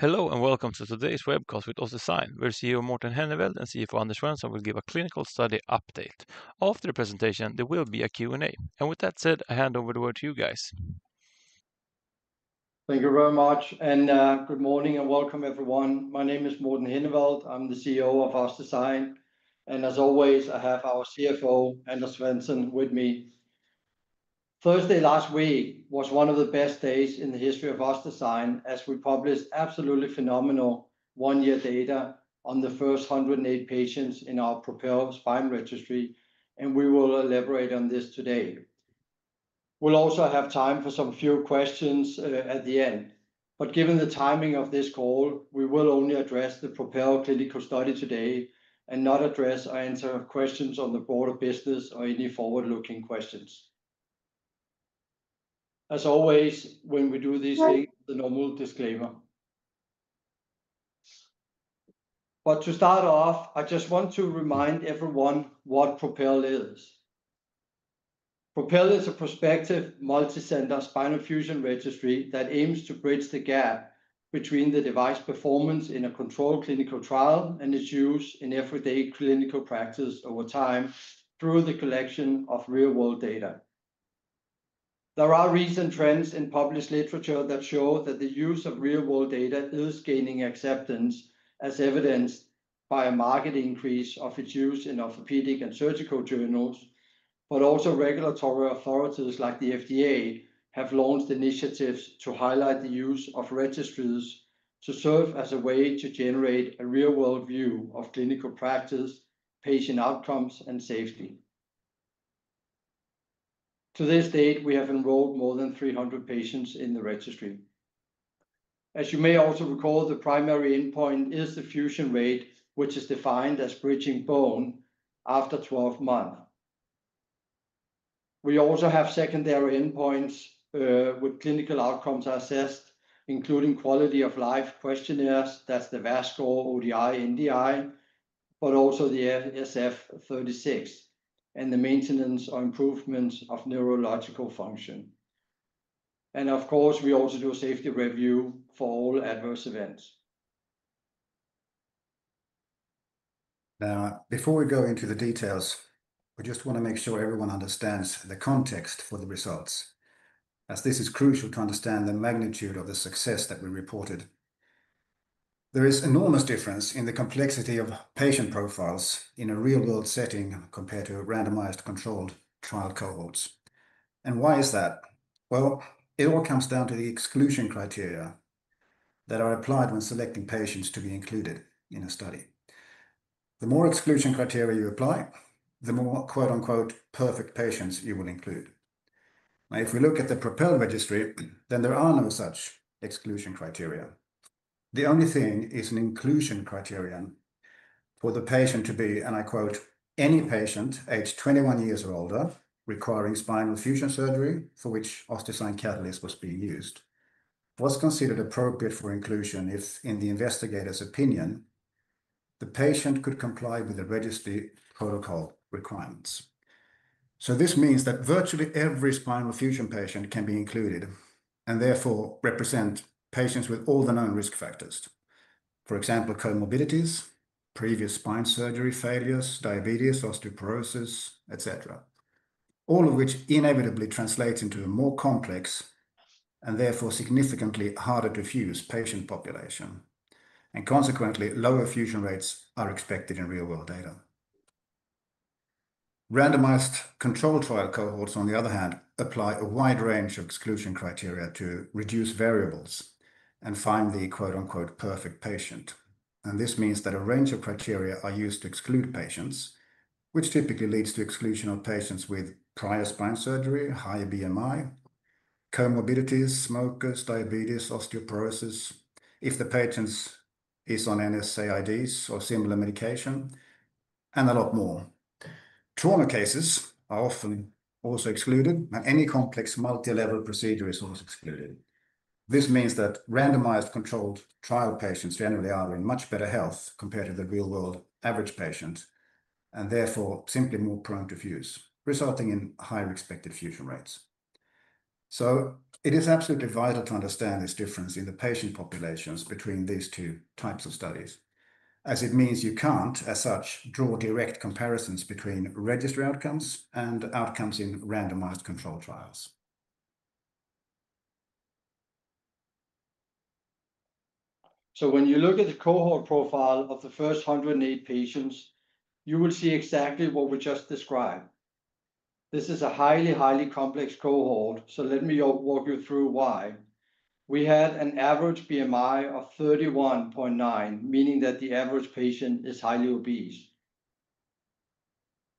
Hello and welcome to today's webcast with OssDsign. Our CEO Morten Henneveld and CFO Anders Svensson will give a clinical study update. After the presentation, there will be a Q&A. With that said, I hand over the word to you guys. Thank you very much. Good morning and welcome, everyone. My name is Morten Henneveld. I'm the CEO of OssDsign. As always, I have our CFO, Anders Svensson, with me. Thursday last week was one of the best days in the history of OssDsign as we published absolutely phenomenal one-year data on the first 108 patients in our PROPEL spine registry. We will elaborate on this today. We will also have time for some few questions at the end. Given the timing of this call, we will only address the PROPEL clinical study today and not address or answer questions on the board of business or any forward-looking questions. As always, when we do these things, the normal disclaimer. To start off, I just want to remind everyone what PROPEL is. PROPEL is a prospective multi-center spinal fusion registry that aims to bridge the gap between the device performance in a controlled clinical trial and its use in everyday clinical practice over time through the collection of real-world data. There are recent trends in published literature that show that the use of real-world data is gaining acceptance, as evidenced by a marked increase of its use in orthopedic and surgical journals. Regulatory authorities like the FDA have launched initiatives to highlight the use of registries to serve as a way to generate a real-world view of clinical practice, patient outcomes, and safety. To this date, we have enrolled more than 300 patients in the registry. As you may also recall, the primary endpoint is the fusion rate, which is defined as bridging bone after 12 months. We also have secondary endpoints with clinical outcomes assessed, including quality of life questionnaires. That's the VASCO, ODI, NDI, but also the SF-36 and the maintenance or improvement of neurological function. Of course, we also do a safety review for all adverse events. Now, before we go into the details, we just want to make sure everyone understands the context for the results, as this is crucial to understand the magnitude of the success that we reported. There is an enormous difference in the complexity of patient profiles in a real-world setting compared to randomized controlled trial cohorts. Why is that? It all comes down to the exclusion criteria that are applied when selecting patients to be included in a study. The more exclusion criteria you apply, the more "perfect" patients you will include. Now, if we look at the Propel registry, then there are no such exclusion criteria. The only thing is an inclusion criterion for the patient to be, and I quote, "any patient age 21 years or older requiring spinal fusion surgery for which OsDsign Catalyst was being used" was considered appropriate for inclusion if, in the investigator's opinion, the patient could comply with the registry protocol requirements. This means that virtually every spinal fusion patient can be included and therefore represent patients with all the known risk factors. For example, comorbidities, previous spine surgery failures, diabetes, osteoporosis, et cetera, all of which inevitably translates into a more complex and therefore significantly harder-to-fuse patient population. Consequently, lower fusion rates are expected in real-world data. Randomized controlled trial cohorts, on the other hand, apply a wide range of exclusion criteria to reduce variables and find the "perfect" patient. This means that a range of criteria are used to exclude patients, which typically leads to exclusion of patients with prior spine surgery, high BMI, comorbidities, smokers, diabetes, osteoporosis, if the patient is on NSAIDs or similar medication, and a lot more. Trauma cases are often also excluded, and any complex multilevel procedure is also excluded. This means that randomized controlled trial patients generally are in much better health compared to the real-world average patient and therefore simply more prone to fuse, resulting in higher expected fusion rates. It is absolutely vital to understand this difference in the patient populations between these two types of studies, as it means you can't, as such, draw direct comparisons between registry outcomes and outcomes in randomized controlled trials. When you look at the cohort profile of the first 108 patients, you will see exactly what we just described. This is a highly, highly complex cohort. Let me walk you through why. We had an average BMI of 31.9, meaning that the average patient is highly obese.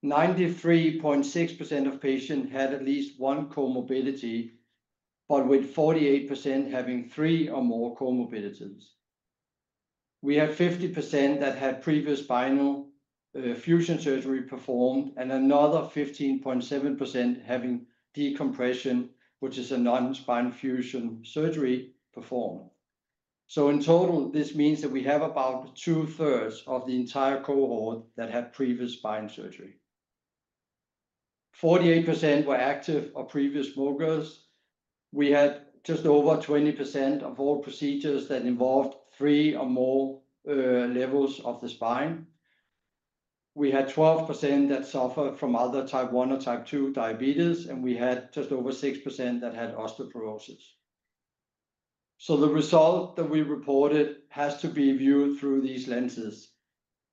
93.6% of patients had at least one comorbidity, with 48% having three or more comorbidities. We had 50% that had previous spinal fusion surgery performed and another 15.7% having decompression, which is a non-spinal fusion surgery performed. In total, this means that we have about 2/3 of the entire cohort that had previous spine surgery. 48% were active or previous smokers. We had just over 20% of all procedures that involved three or more levels of the spine. We had 12% that suffered from either Type 1 or Type 2 diabetes, and we had just over 6% that had osteoporosis. The result that we reported has to be viewed through these lenses.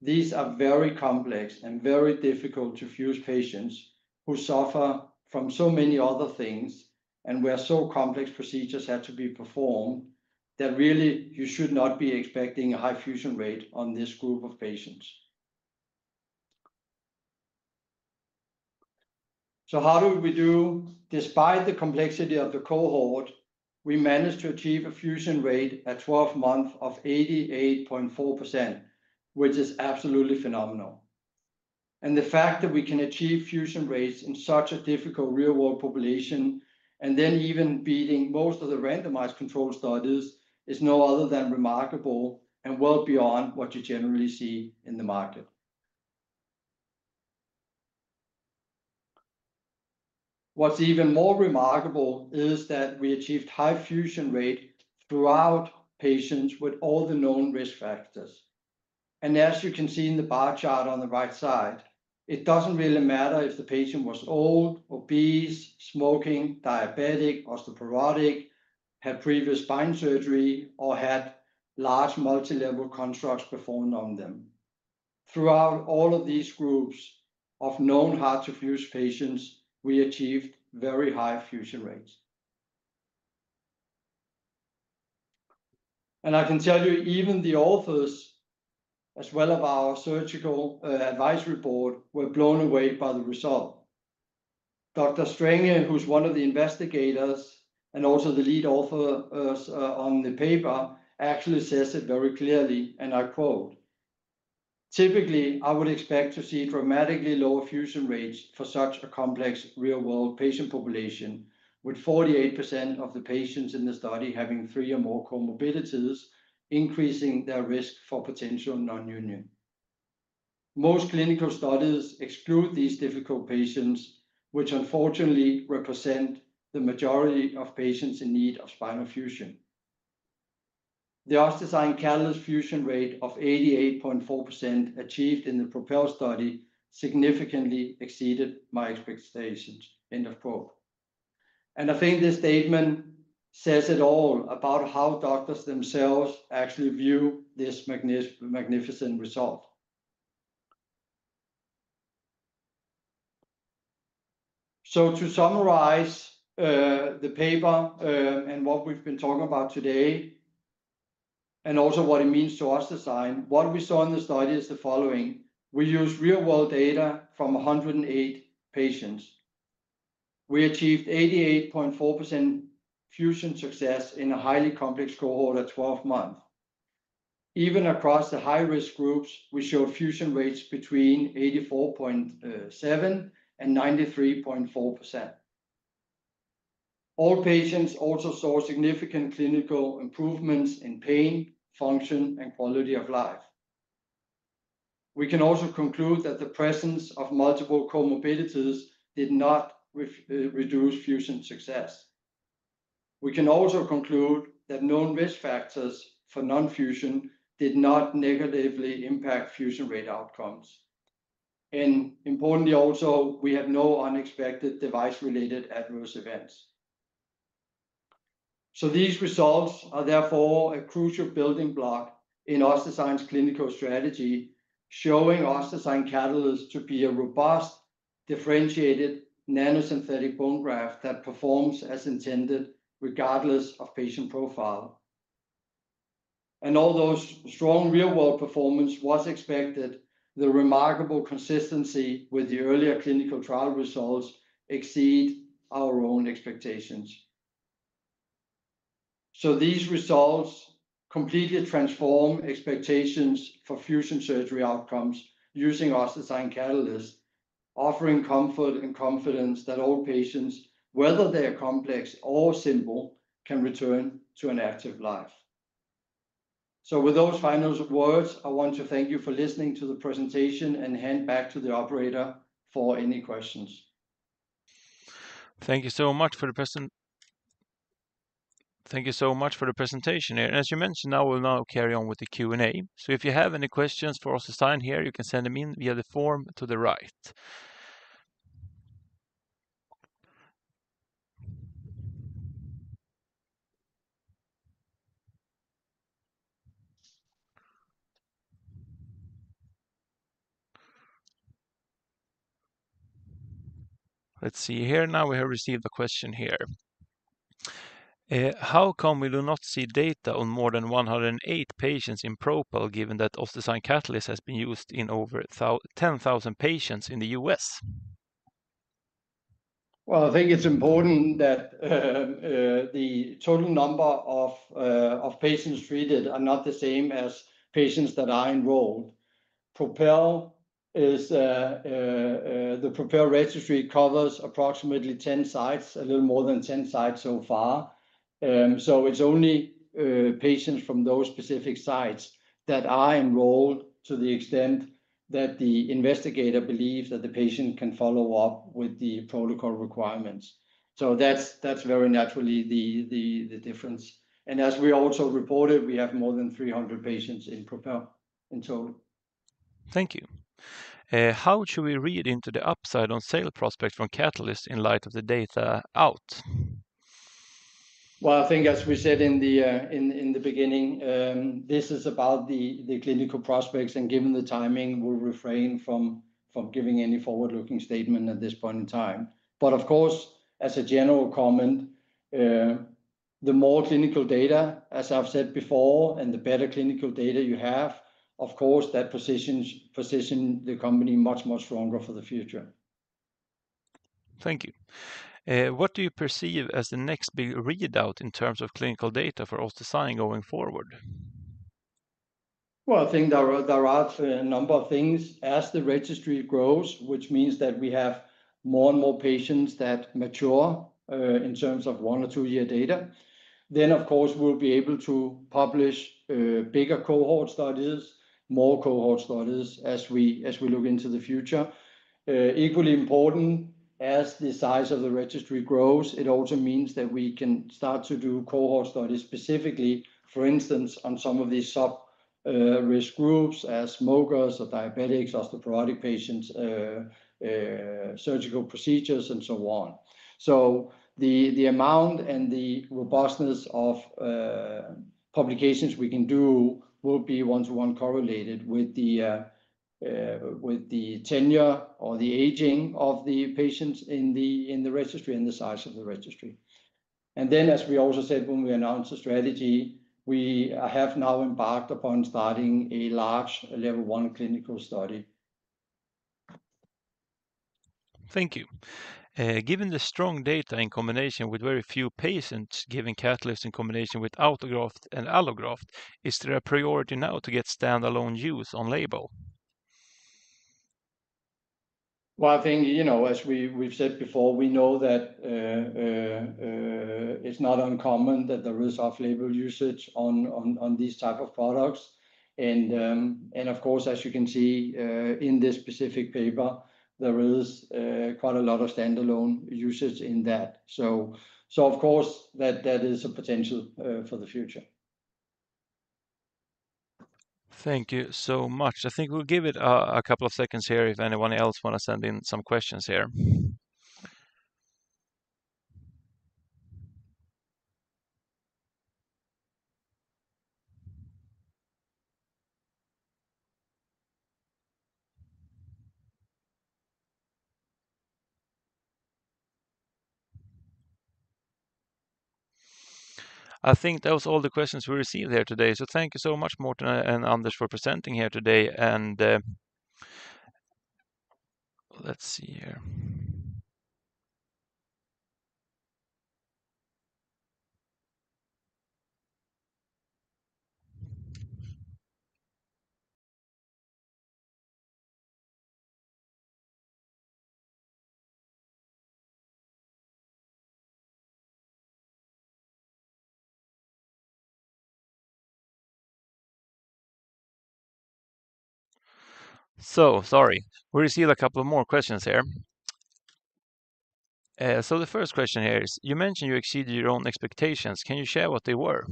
These are very complex and very difficult-to-fuse patients who suffer from so many other things and where so complex procedures had to be performed that really you should not be expecting a high fusion rate on this group of patients. How do we do? Despite the complexity of the cohort, we managed to achieve a fusion rate at 12 months of 88.4%, which is absolutely phenomenal. The fact that we can achieve fusion rates in such a difficult real-world population, and then even beating most of the randomized controlled studies, is no other than remarkable and well beyond what you generally see in the market. What's even more remarkable is that we achieved high fusion rate throughout patients with all the known risk factors. As you can see in the bar chart on the right side, it doesn't really matter if the patient was old, obese, smoking, diabetic, osteoporotic, had previous spine surgery, or had large multilevel constructs performed on them. Throughout all of these groups of known hard-to-fuse patients, we achieved very high fusion rates. I can tell you, even the authors, as well as our surgical advisory board, were blown away by the result. Dr. Strenge, who's one of the investigators and also the lead author on the paper, actually says it very clearly, and I quote, "Typically, I would expect to see dramatically lower fusion rates for such a complex real-world patient population, with 48% of the patients in the study having three or more comorbidities, increasing their risk for potential nonunion." Most clinical studies exclude these difficult patients, which unfortunately represent the majority of patients in need of spinal fusion. The OsDsign Catalyst fusion rate of 88.4% achieved in the Propel study significantly exceeded my expectations." I think this statement says it all about how doctors themselves actually view this magnificent result. To summarize the paper and what we've been talking about today, and also what it means to OsDsign, what we saw in the study is the following. We used real-world data from 108 patients. We achieved 88.4% fusion success in a highly complex cohort at 12 months. Even across the high-risk groups, we showed fusion rates between 84.7% and 93.4%. All patients also saw significant clinical improvements in pain, function, and quality of life. We can also conclude that the presence of multiple comorbidities did not reduce fusion success. We can also conclude that known risk factors for non-fusion did not negatively impact fusion rate outcomes. Importantly also, we had no unexpected device-related adverse events. These results are therefore a crucial building block in OssDsign's clinical strategy, showing OssDsign Catalyst to be a robust, differentiated nanosynthetic bone graft that performs as intended regardless of patient profile. Although strong real-world performance was expected, the remarkable consistency with the earlier clinical trial results exceeds our own expectations. These results completely transform expectations for fusion surgery outcomes using OssDsign Catalyst, offering comfort and confidence that all patients, whether they are complex or simple, can return to an active life. With those final words, I want to thank you for listening to the presentation and hand back to the operator for any questions. Thank you so much for the presentation. Thank you so much for the presentation here. As you mentioned, I will now carry on with the Q&A. If you have any questions for OssDsign here, you can send them in via the form to the right. Let's see here. Now we have received a question here. How come we do not see data on more than 108 patients in PROPEL, given that OssDsign Catalyst has been used in over 10,000 patients in the U.S.? I think it's important that the total number of patients treated are not the same as patients that are enrolled. The Propel registry covers approximately 10 sites, a little more than 10 sites so far. It's only patients from those specific sites that are enrolled to the extent that the investigator believes that the patient can follow up with the protocol requirements. That's very naturally the difference. As we also reported, we have more than 300 patients in PROPEL in total. Thank you. How should we read into the upside on sale prospects from Catalyst in light of the data out? I think as we said in the beginning, this is about the clinical prospects. And given the timing, we'll refrain from giving any forward-looking statement at this point in time. Of course, as a general comment, the more clinical data, as I've said before, and the better clinical data you have, of course, that positions the company much, much stronger for the future. Thank you. What do you perceive as the next big readout in terms of clinical data for OssDsign going forward? I think there are a number of things. As the registry grows, which means that we have more and more patients that mature in terms of one or two-year data, then of course, we'll be able to publish bigger cohort studies, more cohort studies as we look into the future. Equally important, as the size of the registry grows, it also means that we can start to do cohort studies specifically, for instance, on some of these sub-risk groups as smokers or diabetics, osteoporotic patients, surgical procedures, and so on. The amount and the robustness of publications we can do will be one-to-one correlated with the tenure or the aging of the patients in the registry and the size of the registry. As we also said when we announced the strategy, we have now embarked upon starting a large level one clinical study. Thank you. Given the strong data in combination with very few patients getting Catalyst in combination with autograft and allograft, is there a priority now to get standalone use on label? I think, you know, as we've said before, we know that it's not uncommon that there is off-label usage on these types of products. And of course, as you can see in this specific paper, there is quite a lot of standalone usage in that. So of course, that is a potential for the future. Thank you so much. I think we'll give it a couple of seconds here if anyone else wants to send in some questions here. I think that was all the questions we received here today. Thank you so much, Morten and Anders, for presenting here today. Let's see here. Sorry, we received a couple more questions here. The first question here is, you mentioned you exceeded your own expectations. Can you share what they were?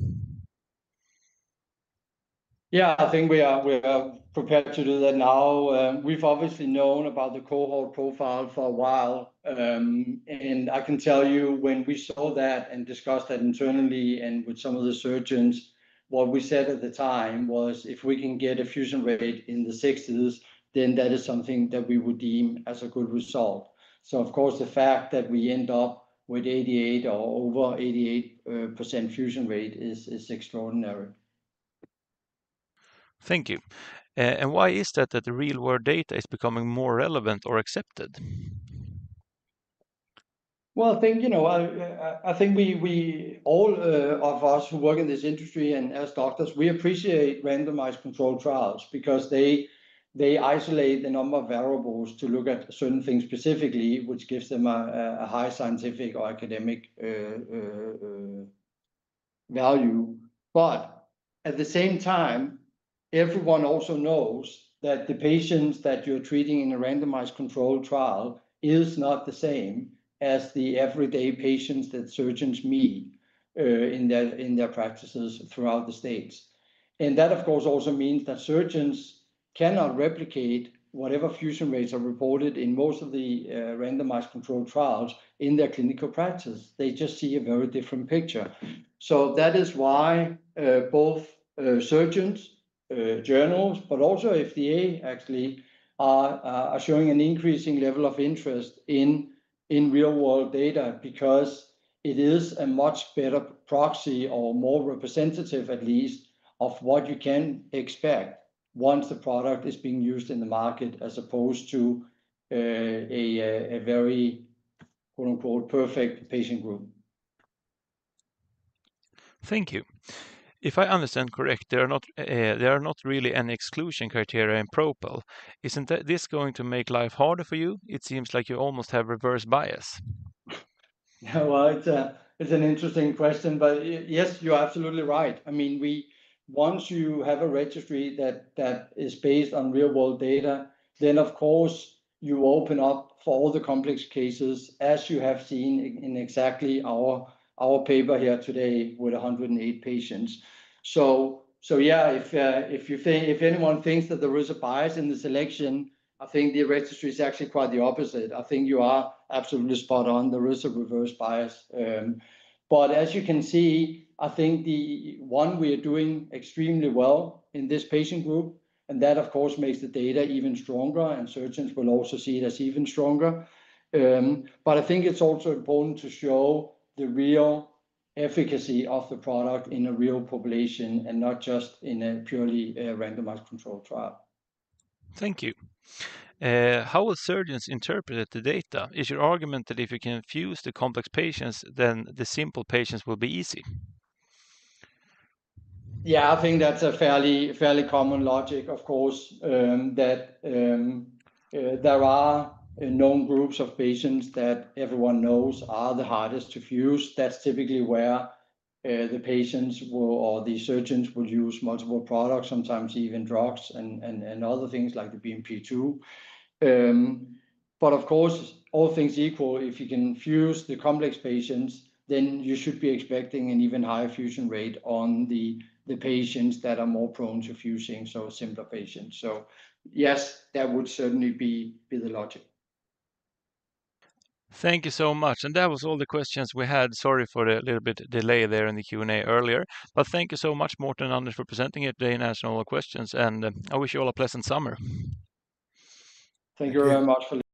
Yeah, I think we are prepared to do that now. We've obviously known about the cohort profile for a while. I can tell you, when we saw that and discussed that internally and with some of the surgeons, what we said at the time was, if we can get a fusion rate in the 60s, then that is something that we would deem as a good result. Of course, the fact that we end up with 88% or over 88% fusion rate is extraordinary. Thank you. Why is it that the real-world data is becoming more relevant or accepted? I think we all of us who work in this industry and as doctors, we appreciate randomized controlled trials because they isolate the number of variables to look at certain things specifically, which gives them a high scientific or academic value. At the same time, everyone also knows that the patients that you're treating in a randomized controlled trial is not the same as the everyday patients that surgeons meet in their practices throughout the states. That, of course, also means that surgeons cannot replicate whatever fusion rates are reported in most of the randomized controlled trials in their clinical practice. They just see a very different picture. That is why both surgeons, journals, but also FDA actually are showing an increasing level of interest in real-world data because it is a much better proxy or more representative, at least, of what you can expect once the product is being used in the market as opposed to a very "perfect" patient group. Thank you. If I understand correct, there are not really any exclusion criteria in PROPEL. Isn't this going to make life harder for you? It seems like you almost have reverse bias. It's an interesting question, but yes, you're absolutely right. I mean, once you have a registry that is based on real-world data, then of course, you open up for all the complex cases, as you have seen in exactly our paper here today with 108 patients. So yeah, if anyone thinks that there is a bias in the selection, I think the registry is actually quite the opposite. I think you are absolutely spot on. There is a reverse bias. As you can see, I think the one we are doing extremely well in this patient group, and that, of course, makes the data even stronger, and surgeons will also see it as even stronger. I think it's also important to show the real efficacy of the product in a real population and not just in a purely randomized controlled trial. Thank you. How will surgeons interpret the data? Is your argument that if you can fuse the complex patients, then the simple patients will be easy? Yeah, I think that's a fairly common logic, of course, that there are known groups of patients that everyone knows are the hardest to fuse. That's typically where the patients or the surgeons would use multiple products, sometimes even drugs and other things like the BMP-2. Of course, all things equal, if you can fuse the complex patients, then you should be expecting an even higher fusion rate on the patients that are more prone to fusing, so simpler patients. Yes, that would certainly be the logic. Thank you so much. That was all the questions we had. Sorry for a little bit of delay there in the Q&A earlier. Thank you so much, Morten and Anders, for presenting it today and answering all the questions. I wish you all a pleasant summer. Thank you very much.